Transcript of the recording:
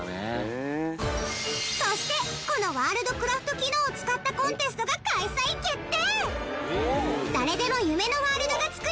そしてこのワールドクラフト機能を使ったコンテストが開催決定！